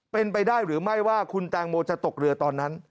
เป็นไปได้หรือไม่ว่าคุณแตงโมจะตกเรือตอนนั้น